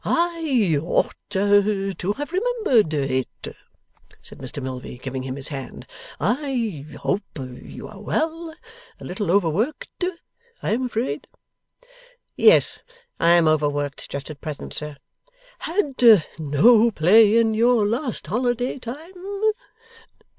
'I ought to have remembered it,' said Mr Milvey, giving him his hand. 'I hope you are well? A little overworked, I am afraid?' 'Yes, I am overworked just at present, sir.' 'Had no play in your last holiday time?